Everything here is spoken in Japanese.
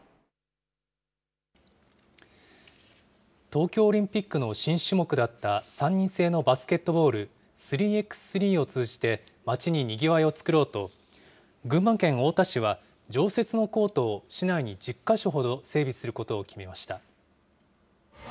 東京オリンピックの新種目だった３人制のバスケットボール、３Ｘ３を通じて、町ににぎわいを作ろうと、群馬県太田市は、常設のコートを市内に１０か所ほど整備することを決めました。